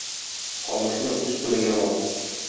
Камышны үз күлеңнән ал.